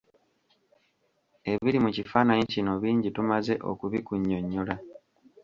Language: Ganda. Ebiri mu kifaananyi kino bingi tumaze okubikunnyonnyola.